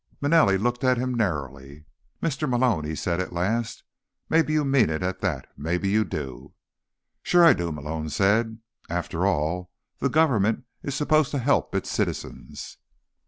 Manelli looked at him narrowly. "Mr. Malone," he said at last, "maybe you mean it at that. Maybe you do." "Sure I do," Malone said. "After all, the government is supposed to help its citizens."